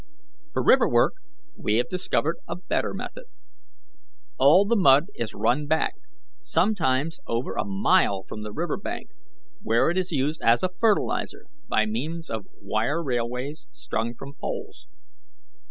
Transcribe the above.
For river work we have discovered a better method. All the mud is run back, sometimes over a mile from the river bank, where it is used as a fertilizer, by means of wire railways strung from poles.